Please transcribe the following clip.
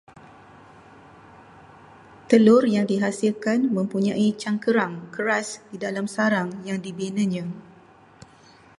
Telur yang dihasilkan mempunyai cangkerang keras di dalam sarang yang dibinanya